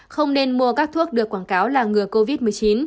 không nên mua các thuốc được quảng cáo là ngừa covid một mươi chín